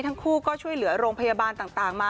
ทั้งคู่ก็ช่วยเหลือโรงพยาบาลต่างมา